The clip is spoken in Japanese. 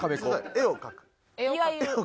絵を描く。